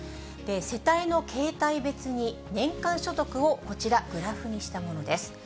世帯の形態別に年間所得をこちら、グラフにしたものです。